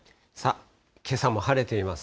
けさも晴れています。